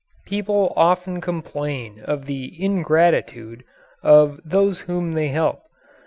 People often complain of the "ingratitude" of those whom they help.